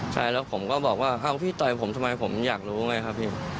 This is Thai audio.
ใช่แล้วผมก็บอกว่าพี่ต่อยผมทำไมผมอยากรู้ไงครับพี่